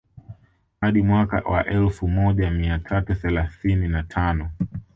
Hadi mwaka wa elfu moja mia tatu thelathini na tano